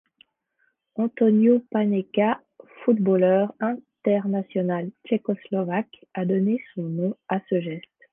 Antonín Panenka, footballeur international tchécoslovaque, a donné son nom à ce geste.